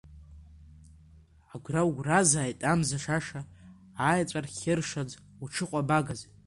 Агәра угәразааит амза шаша, аеҵәа рхьыршаӡ уҽыкәабагаз.